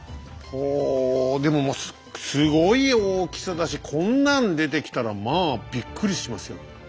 ほうでもますごい大きさだしこんなん出てきたらまあびっくりしますよ。